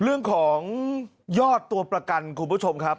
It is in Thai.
เรื่องของยอดตัวประกันคุณผู้ชมครับ